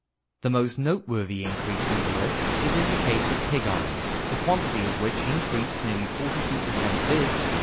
The most noteworthy increase in the list is in the case of pig iron, the quantity of which increased nearly 42 per cent, viz.